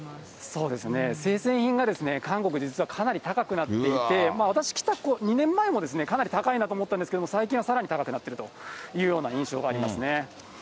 そうですね、生鮮品が、韓国かなり高くなっていて、私、来た２年前もかなり高いなと思ったんですけど、最近はさらに高くなっているというような印象がありますね。